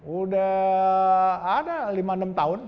udah ada lima enam tahun